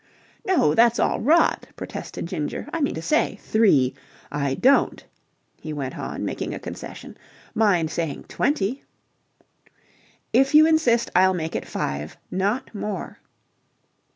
"No, that's all rot," protested Ginger. "I mean to say three. I don't," he went on, making a concession, "mind saying twenty." "If you insist, I'll make it five. Not more."